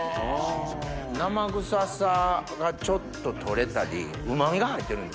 生臭さがちょっと取れたりうま味が入ってるんですかね？